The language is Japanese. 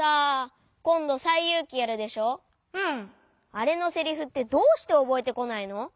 あれのセリフってどうしておぼえてこないの？